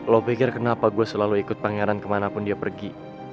lo pikir kenapa gue selalu ikut pangeran kemanapun dia pergi